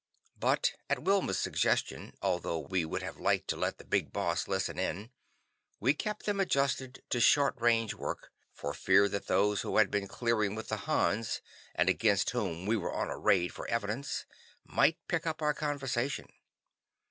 But at Wilma's suggestion, although we would have liked to let the Big Boss listen in, we kept them adjusted to short range work, for fear that those who had been clearing with the Hans, and against whom we were on a raid for evidence, might also pick up our conversation.